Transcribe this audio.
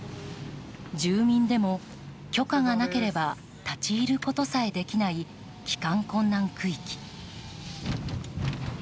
住民でも、許可がなければ立ち入ることさえできない帰還困難区域。